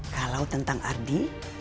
kalau tentang ardi